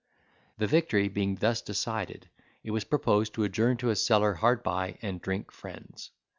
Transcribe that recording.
The victory being thus decided, it was proposed to adjourn to a cellar hard by, and drink friends.